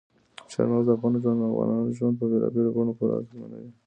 چار مغز د افغانانو ژوند په بېلابېلو بڼو پوره اغېزمنوي.